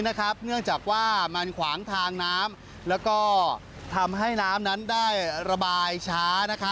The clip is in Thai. เนื่องจากว่ามันขวางทางน้ำแล้วก็ทำให้น้ำนั้นได้ระบายช้า